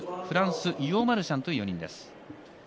フランス、ユオマルシャンという４人です。